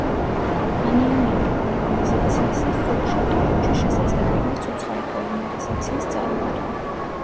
ანიონური პოლიმერიზაციისას ზოგ შემთხვევებში შესაძლებელია ცოცხალი პოლიმერიზაციის წარმართვა.